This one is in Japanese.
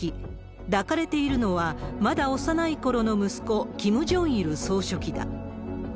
抱かれているのは、まだ幼いころの息子、キム・ジョンイル総書記だ。